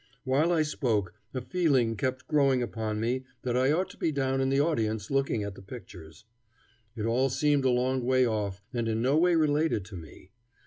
While I spoke a feeling kept growing upon me that I ought to be down in the audience looking at the pictures. It all seemed a long way off and in no way related to me.